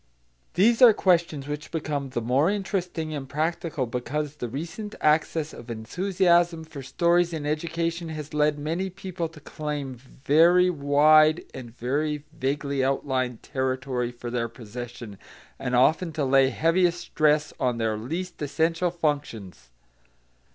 These are questions which become the more interesting and practical because the recent access of enthusiasm for stories in education has led many people to claim very wide and very vaguely outlined territory for their possession, and often to lay heaviest stress on their least essential functions.